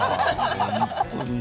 本当に。